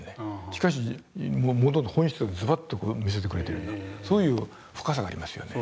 しかしものの本質をズバッと見せてくれてるんだそういう深さがありますよね。